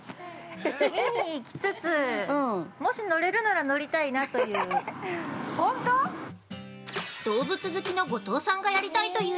見に行きつつもし乗れるなら乗りたいなという。